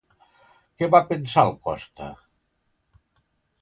Què va pensar el Costa?